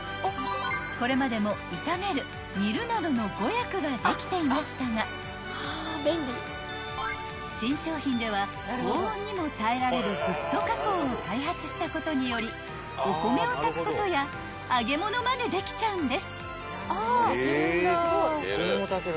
［これまでも炒める煮るなどの５役ができていましたが新商品では高温にも耐えられるフッ素加工を開発したことによりお米を炊くことや揚げ物までできちゃうんです］